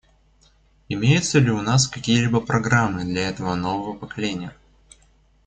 Имеются ли у нас какие-либо программы для этого нового поколения?